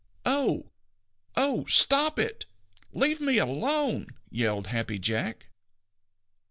"Oh! Oh! Stop it! Leave me alone!" yelled Happy Jack.